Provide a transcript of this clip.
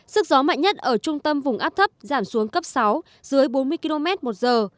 sức gió mạnh nhất ở trung tâm vùng áp thấp giảm xuống cấp sáu dưới bốn mươi km một giờ